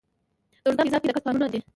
د ارزګان په ګیزاب کې د ګچ کانونه دي.